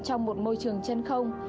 trong một môi trường chân không